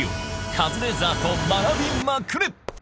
カズレーザーと学びまくれ！